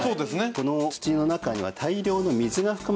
この土の中には大量の水が含まれていました。